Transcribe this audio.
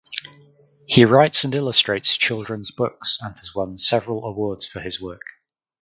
He writes and illustrates children’s books and has won several awards for his work.